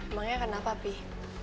emangnya kenapa pih